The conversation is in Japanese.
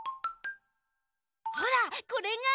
ほらこれが。